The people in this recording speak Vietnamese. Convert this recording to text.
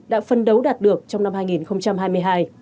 đã phân đấu đạt được trong năm hai nghìn hai mươi hai